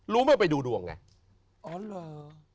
รู้ไม่ว่าไปดูดวงไงอ๋อเหรอ